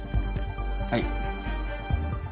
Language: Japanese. はい。